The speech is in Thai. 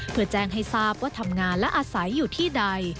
เพื่อแจ้งให้ทราบว่าทำงานและอาศัยอยู่ที่ใด